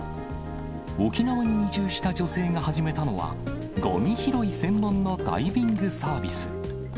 沖縄に移住した女性が始めたのは、ごみ拾い専門のダイビングサービス。